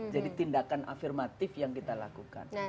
jadi tindakan afirmatif yang kita lakukan